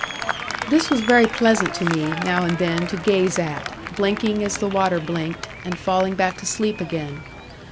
This was very pleasant to me, now and then, to gaze at, blinking as the water blinked, and falling back to sleep again.